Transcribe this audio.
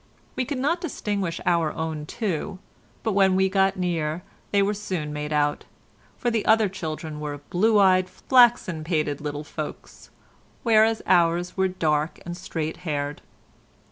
We could not distinguish our own two, but when we got near they were soon made out, for the other children were blue eyed, flaxen pated little folks, whereas ours were dark and straight haired.